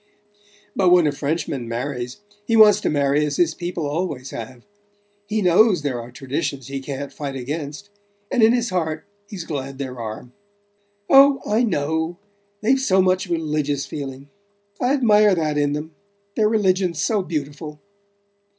But when a Frenchman marries he wants to marry as his people always have. He knows there are traditions he can't fight against and in his heart he's glad there are." "Oh, I know: they've so much religious feeling. I admire that in them: their religion's so beautiful."